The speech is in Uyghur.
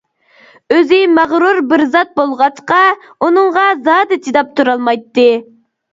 ئۆزى مەغرۇر بىر زات بولغاچقا، بۇنىڭغا زادى چىداپ تۇرالمايتتى.